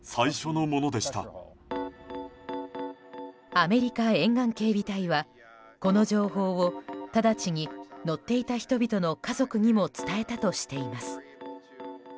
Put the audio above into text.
アメリカ沿岸警備隊はこの情報を直ちに乗っていた人々の家族にも伝えたとしています。